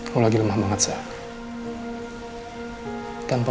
hari gue dimana hari gue dimana